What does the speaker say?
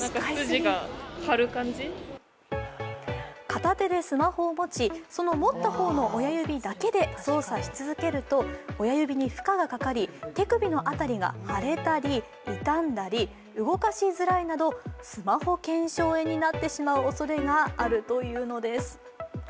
片手でスマホを持ち、その持った方の親指だけで操作し続けると、親指に負荷がかかり手首の辺りが腫れたり傷んだり動かしづらいなどスマホけんしょう炎になってしまうおそれがあるというのです。